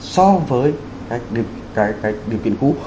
so với cái điều kiện cũ